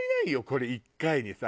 これ１回にさ。